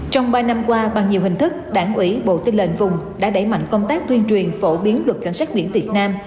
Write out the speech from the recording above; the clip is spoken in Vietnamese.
trong ba năm qua bằng nhiều hình thức đảng ủy bộ tư lệnh vùng đã đẩy mạnh công tác tuyên truyền phổ biến luật cảnh sát biển việt nam